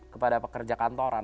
kepada pekerja kantoran